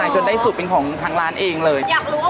จนได้สูตรเป็นของทางร้านเองเลย